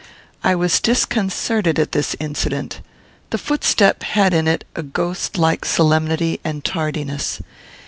I was disconcerted at this incident. The footstep had in it a ghost like solemnity and tardiness.